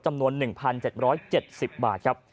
จำนวน๑๗๗๐บาทครับ